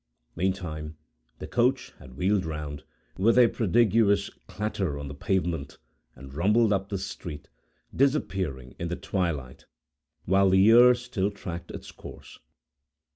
Meantime, the coach had wheeled round, with a prodigious clatter on the pavement, and rumbled up the street, disappearing in the twilight, while the ear still tracked its course.